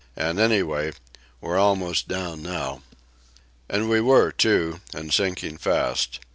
And, anyway, we're almost down now." And we were, too, and sinking fast.